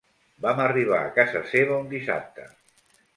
Vam arribar a casa seva un dissabte.